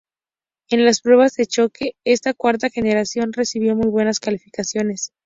En las pruebas de choque, esta cuarta generación recibió muy buenas calificaciones.